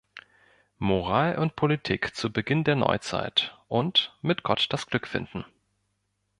Moral und Politik zu Beginn der Neuzeit" und "Mit Gott das Glück finden".